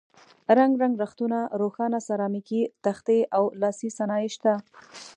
رنګ رنګ رختونه، روښانه سرامیکي تختې او لاسي صنایع شته.